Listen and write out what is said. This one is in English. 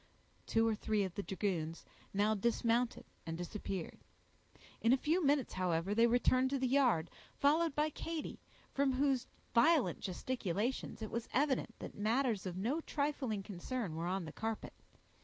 Two or three of the dragoons now dismounted and disappeared; in a few minutes, however, they returned to the yard, followed by Katy, from whose violent gesticulations, it was evident that matters of no trifling concern were on the carpet.